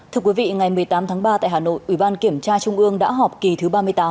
thưa quý vị ngày một mươi tám tháng ba tại hà nội ủy ban kiểm tra trung ương đã họp kỳ thứ ba mươi tám